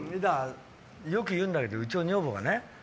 よく言うんだけどうちの女房がね